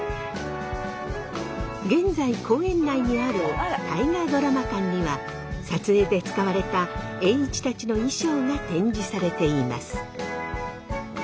現在公園内にある大河ドラマ館には撮影で使われた栄一たちの衣装が展示されています。